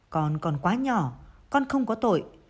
con còn quá nhỏ con không có tội